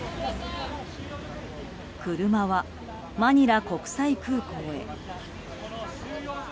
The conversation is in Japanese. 車はマニラ国際空港へ。